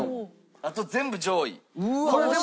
あと全部上位。